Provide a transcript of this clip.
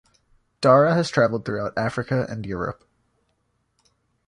Dara has traveled throughout Africa and Europe.